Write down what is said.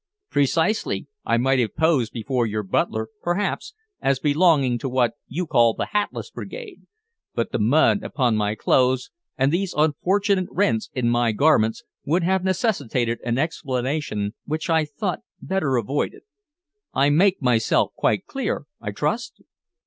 "Precisely! I might have posed before your butler, perhaps, as belonging to what you call the hatless brigade, but the mud upon my clothes, and these unfortunate rents in my garments, would have necessitated an explanation which I thought better avoided. I make myself quite clear, I trust?"